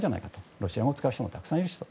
ロシア語を使う人もたくさんいるしと。